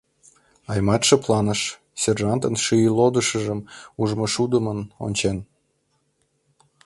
Аймат шыпланыш, сержантын шӱйлодышыжым ужмышудымын ончен.